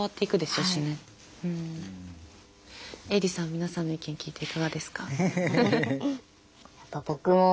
皆さんの意見聞いていかがですか？